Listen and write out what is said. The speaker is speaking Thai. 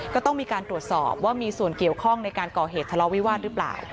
ก็ต้องมีการตรวจสอบว่ามีส่วนเกี่ยวข้องในการก่อเหตุทะเลาวิวาสหรือเปล่า